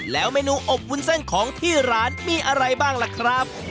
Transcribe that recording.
แล้วเมนูอบวุ้นเส้นของที่ร้านมีอะไรบ้างล่ะครับ